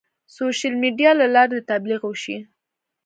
سوشیل میډیا له لارې د تبلیغ وشي.